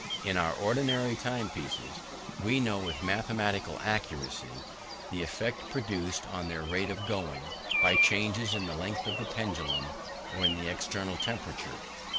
In our ordinary time pieces, we know with mathematical accuracy the effect produced on their rate of going, by changes in the length of the pendulum, or in the external temperature.